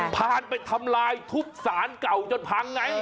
พานไปทำลายทุบสารเก่าจนพังไง